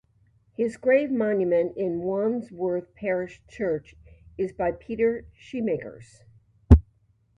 His grave monument in Wandsworth Parish Church is by Peter Scheemakers.